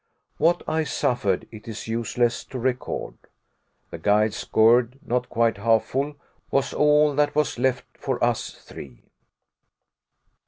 What I suffered it is useless to record. The guide's gourd, not quite half full, was all that was left for us three!